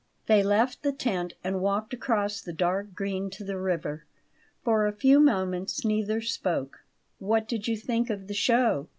They left the tent, and walked across the dark green to the river. For a few moments neither spoke. "What did you think of the show?"